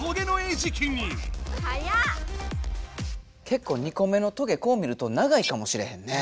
けっこう２個目のトゲこう見ると長いかもしれへんね。